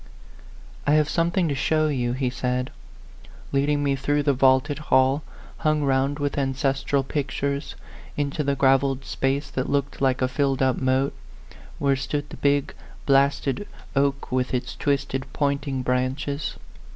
" I have something to show you," he said, leading me through the vaulted hall, hung round with ancestral pictures, into the gravelled space that looked like a filled up moat, where stood the big, blasted oak, with 132 A PHANTOM LOVER. its twisted, pointing branches.